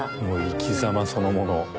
もう生きざまそのもの。